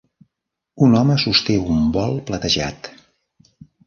Un home sosté un bol platejat.